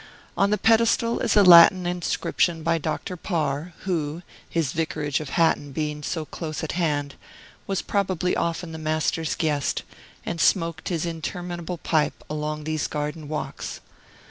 On the pedestal is a Latin inscription by Dr. Parr, who (his vicarage of Hatton being so close at hand) was probably often the Master's guest, and smoked his interminable pipe along these garden walks.